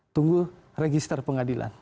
tunggu register pengadilan